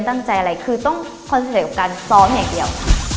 ตั้งใจอะไรคือต้องคอนเซ็ปต์การซ้อมอย่างเดียวค่ะ